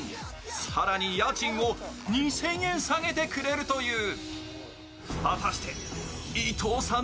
更に家賃を２０００円下げてくれるという。